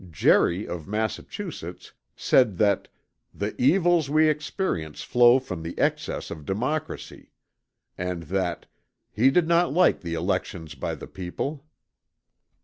Gerry of Massachusetts said that "the evils we experience flow from the excess of democracy"; and that "he did not like the election by the people."